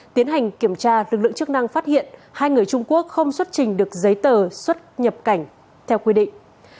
tiến hành kiểm tra lực lượng chức năng phát hiện hai người trung quốc không xuất trình được giấy tờ xuất nhập cảnh theo quy định